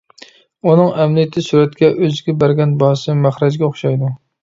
ئۇنىڭ ئەمەلىيىتى سۈرەتكە، ئۆزىگە بەرگەن باھاسى مەخرەجگە ئوخشايدۇ.